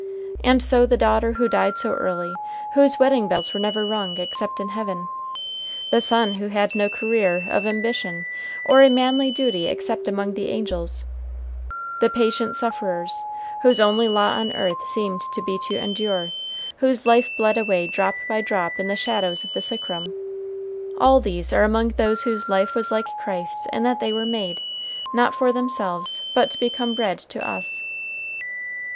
And so the daughter who died so early, whose wedding bells were never rung except in heaven, the son who had no career of ambition or a manly duty except among the angels, the patient sufferers, whose only lot on earth seemed to be to endure, whose life bled away drop by drop in the shadows of the sick room all these are among those whose life was like Christ's in that they were made, not for themselves, but to become bread to us.